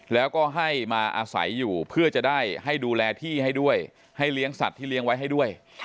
แล้วก็ให้มาอาศัยอยู่เพื่อจะได้ให้ดูแลที่ให้ด้วยให้เลี้ยงสัตว์ที่เลี้ยงไว้ให้ด้วย